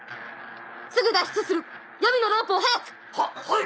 すぐ脱出する予備のロープを早く！ははい！